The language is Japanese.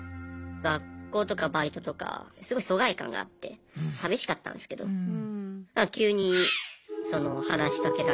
学校とかバイトとかすごい疎外感があって寂しかったんですけどなんか急にその話しかけられた。